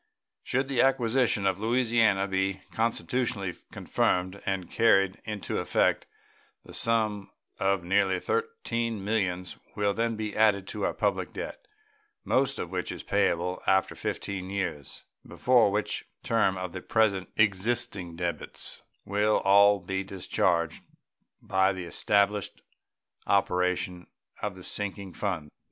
Should the acquisition of Louisiana be constitutionally confirmed and carried into effect, a sum of nearly $13 millions will then be added to our public debt, most of which is payable after fifteen years, before which term the present existing debts will all be discharged by the established operation of the sinking fund.